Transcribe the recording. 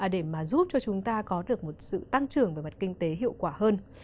để mà giúp cho chúng ta có được một sự tăng trưởng về mặt kinh tế hiệu quả hơn